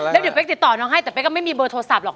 แล้วเดี๋ยวเป๊กติดต่อน้องให้แต่เป๊กก็ไม่มีเบอร์โทรศัพหรอก